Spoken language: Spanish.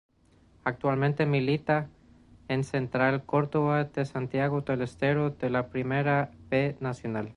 Actualmente milita en Central Córdoba de Santiago del Estero de la Primera B Nacional.